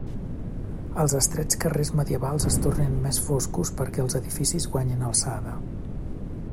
Els estrets carrers medievals es tornen més foscos perquè els edificis guanyen alçada.